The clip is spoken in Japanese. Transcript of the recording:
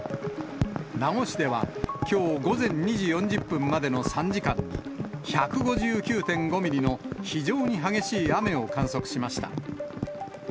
名護市では、きょう午前２時４０分までの３時間に１５９．５ミリの非常に激しい雨を観測しました。